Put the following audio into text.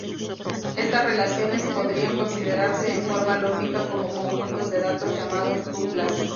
Estas relaciones podrían considerarse en forma lógica como conjuntos de datos llamados tuplas.